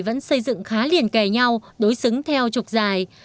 vẫn xây dựng khá liền kề nhau đối xứng theo trục dài